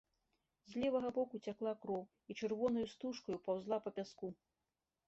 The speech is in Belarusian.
З левага боку цякла кроў і чырвонаю стужкаю паўзла па пяску.